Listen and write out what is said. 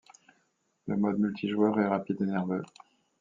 Le mode multijoueur est rapide et nerveux.